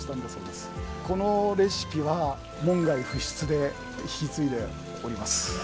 このレシピは門外不出で引き継いでおります。